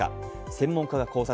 専門家が考察。